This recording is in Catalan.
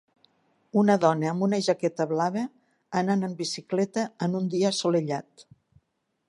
Una dona amb una jaqueta blava anant en bicicleta en un dia assolellat.